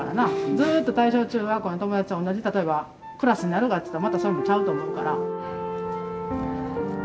ずっと大正中学校の友達と同じ例えばクラスになるがっつったらまたそれもちゃうと思うから。